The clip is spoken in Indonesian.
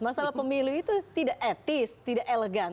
masalah pemilu itu tidak etis tidak elegan